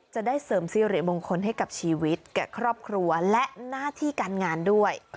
จะได้เสริมสิริมงคลให้กับชีวิตแก่ครอบครัวและหน้าที่การงานด้วย